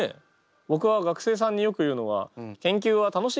ぼくは学生さんによく言うのは研究は楽しいことですと。